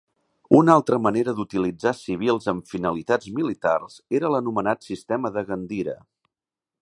Una altra manera d'utilitzar civils amb finalitats militars era l'anomenat sistema de "Gandira".